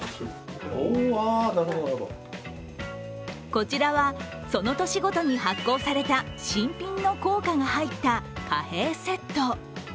こちらは、その年ごとに発行された新品の硬貨が入った貨幣セット。